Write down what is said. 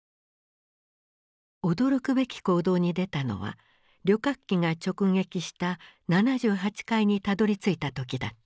驚くべき行動に出たのは旅客機が直撃した７８階にたどりついた時だった。